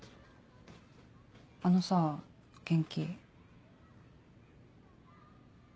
あのさぁ元気。